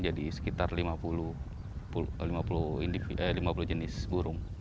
jadi sekitar lima puluh jenis burung